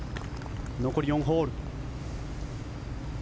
残り４ホール。